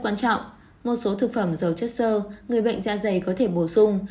quan trọng một số thực phẩm dầu chất sơ người bệnh da dày có thể bổ sung